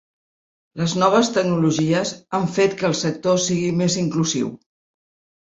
Les noves tecnologies han fet que el sector sigui més inclusiu.